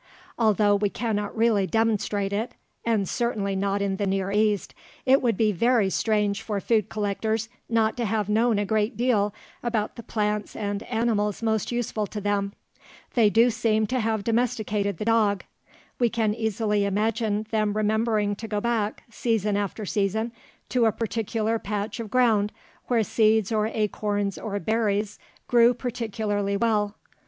Although we cannot really demonstrate it and certainly not in the Near East it would be very strange for food collectors not to have known a great deal about the plants and animals most useful to them. They do seem to have domesticated the dog. We can easily imagine them remembering to go back, season after season, to a particular patch of ground where seeds or acorns or berries grew particularly well.